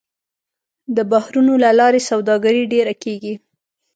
د بحرونو له لارې سوداګري ډېره کېږي.